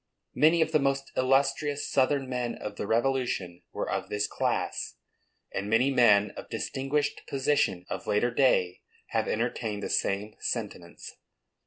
Many of the most illustrious Southern men of the Revolution were of this class, and many men of distinguished position of later day have entertained the same sentiments.